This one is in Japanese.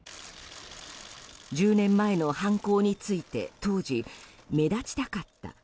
１０年前の犯行について当時、目立ちたかった。